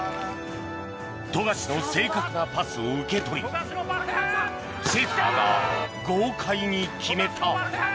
富樫の正確なパスを受け取りシェーファーが豪快に決めた！